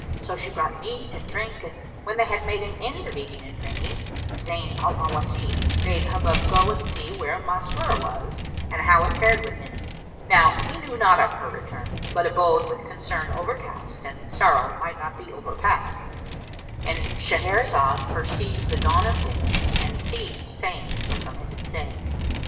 So she brought meat and drink and when they had made an end of eating and drinking,[FN#372] Zayn al Mawasif bade Hubub go and see where Masrur was and how it fared with him. Now he knew not of her return; but abode with concern overcast and sorrow might not be overpast;—And Shahrazad perceived the dawn of day and ceased saying her permitted say.